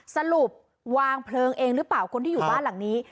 สรุปวางเพลิงเองหรือเปล่าคนที่อยู่บ้านหลังนี้